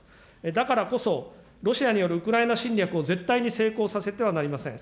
だからこそ、ロシアによるウクライナ侵略を絶対に成功させてはなりません。